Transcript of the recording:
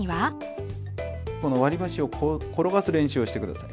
この割り箸を転がす練習をして下さい。